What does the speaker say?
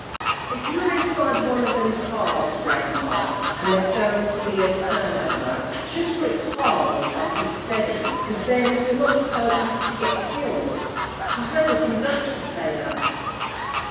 If you're inside one o' them cars, grampa, an' there's goin' to be a turnover, jus' grip hard on somethin' steady, 'cause then you're not so apt to get killed. I heard a conductor say that."